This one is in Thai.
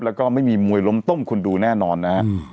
แล้วก็ไม่มีมวยล้มต้มคุณดูแน่นอนนะฮะ